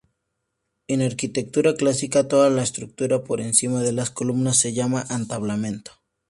En arquitectura clásica, toda la estructura por encima de las columnas se llama entablamento.